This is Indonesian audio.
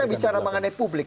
kita bicara mengenai publik